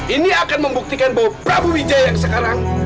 ini akan membuktikan bahwa prabu wijaya sekarang